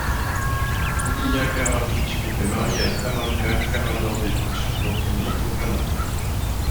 Ilija Čarapić était marié à Stamenka Karađorđević dont il n'eut aucun enfant.